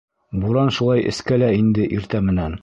Буран шулай эскә лә инде иртә менән.